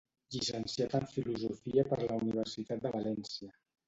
Llicenciat en Filosofia per la Universitat de València.